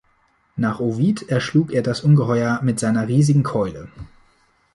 Nach Ovid erschlug er das Ungeheuer mit seiner riesigen Keule.